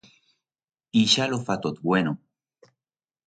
Ixa lo fa tot bueno.